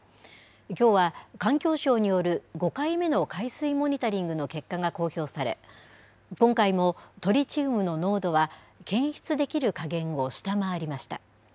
きょうは環境省による５回目の海水モニタリングの結果が公表され、今回もトリチウムの濃度は、検出できる下限を下回りました。